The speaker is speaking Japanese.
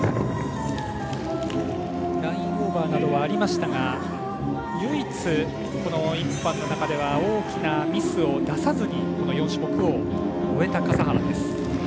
ラインオーバーなどありましたが唯一、この１班の中では大きなミスを出さずに４種目を終えた、笠原です。